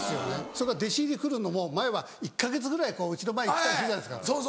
それから弟子入り来るのも前は１か月ぐらい家の前に来たりするじゃないですか。